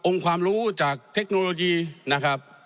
ความรู้จากเทคโนโลยีนะครับ